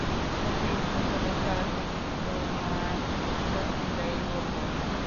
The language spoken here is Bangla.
শুনতে ইচ্ছুক হলে, সরাসরি তোমায় সত্যিটাই বলবো।